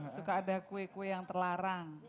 suka ada kue kue yang terlarang